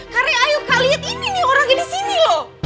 kare ayo kak lihat ini nih orangnya di sini loh